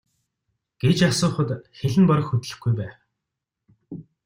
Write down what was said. гэж асуухад хэл нь бараг хөдлөхгүй байв.